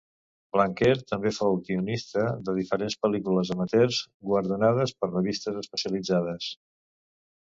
Blanquer també fou guionista de diferents pel·lícules amateurs, guardonades per revistes especialitzades.